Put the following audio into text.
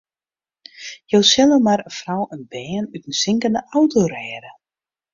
Jo sille mar in frou en bern út in sinkende auto rêde.